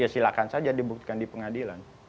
ya silahkan saja dibuktikan di pengadilan